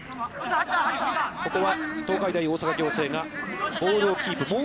ここは東海大大阪仰星がボールをキープ。